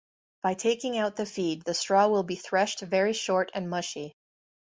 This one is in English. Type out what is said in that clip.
By taking out the feed, the straw will be threshed very short and mushy.